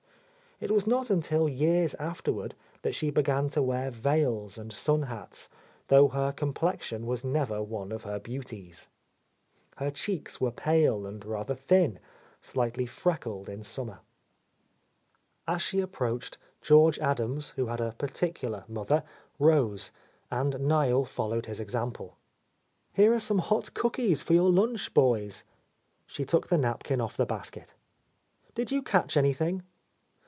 It was not until years afterward that she began to wear veils —17— A laost Hady and sun hats, though hen complexion was never one of her beauties. Hel* cheeks were pale and rather thin, slightly freckled in summer. As she approached, George Adams, who had a particular mother, rose, and Niel followed his ex* ample. "Here are some hot cookies for your lunch, boys." She took the napkin off the basket. "Did you catch anything?"